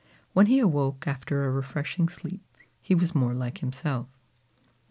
When he awoke after a refreshing sleep, he was more like himself.